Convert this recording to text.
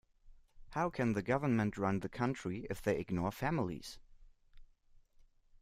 How can the government run the country if they ignore families?